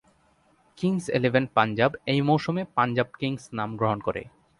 Kings Eleven Punjab এই মৌসুমে Punjab Kings নাম গ্রহণ করে।